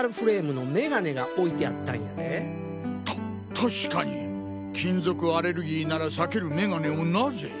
確かに金属アレルギーなら避ける眼鏡をなぜ？